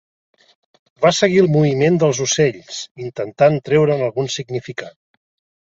Va seguir el moviment dels ocells, intentant treure'n algun significat.